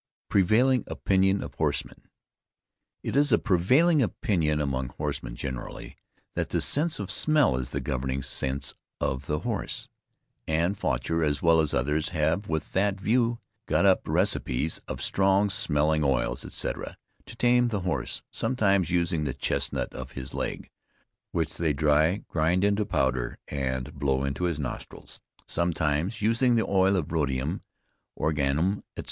PREVAILING OPINION OF HORSEMEN. It is a prevailing opinion among horsemen generally, that the sense of smell is the governing sense of the horse. And Faucher, as well as others, have, with that view, got up receipts of strong smelling oils, etc., to tame the horse, sometimes using the chesnut of his leg, which they dry, grind into powder and blow into his nostrils. Sometimes using the oil of rhodium, organnnum, etc.